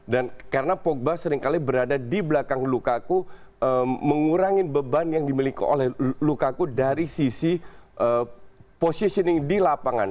dan karena pogba seringkali berada di belakang lukaku mengurangi beban yang dimiliki oleh lukaku dari sisi positioning di lapangan